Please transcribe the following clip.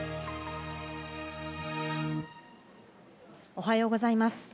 おはようございます。